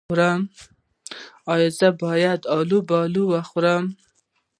ایا زه باید الوبالو وخورم؟